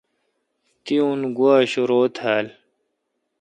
تی اون گوا شرو تھال۔